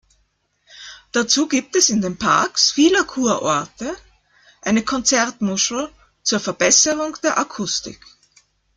Dazu gibt es in den Parks vieler Kurorte eine Konzertmuschel zur Verbesserung der Akustik.